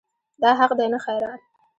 دا حق دی نه خیرات.